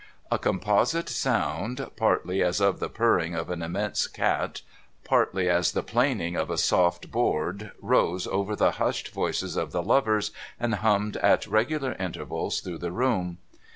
A composite sound, partly as of the purring of an immense cat, partly as of the i)laning of a soft board, rose over the hushed voices of the lovers, and hummed at regular intervals through the room.